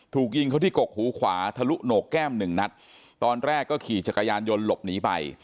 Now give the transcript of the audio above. ถูกยิงเขาที่กกหูขวาทะลุโหนกแก้มหนึ่งนัดตอนแรกก็ขี่จักรยานยนต์หลบหนีไป